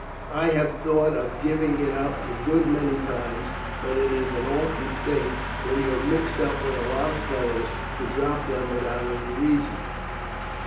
I have thought of giving it up a good many times, but it is an awkward thing, when you are mixed up with a lot of fellows, to drop them without any reason."